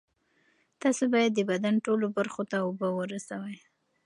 تاسو باید د بدن ټولو برخو ته اوبه ورسوي.